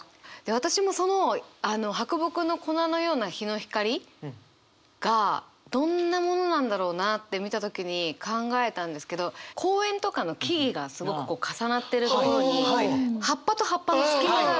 私もそのあの「白墨の粉のような日の光り」がどんなものなんだろうなって見た時に考えたんですけど公園とかの木々がすごくこう重なってるところに葉っぱと葉っぱの隙間があるじゃないですか。